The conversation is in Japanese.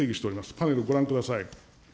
パネルご覧ください。